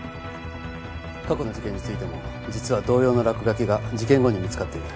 過去の事件についても実は同様の落書きが事件後に見つかっている。